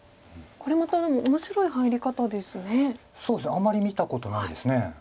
あまり見たことないです。